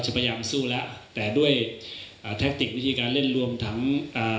ส่วนการขาดสารรัฐอยู่เย็นที่ติดโทษแบรนด์ยอมรับว่า